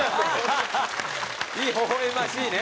ほほ笑ましいね！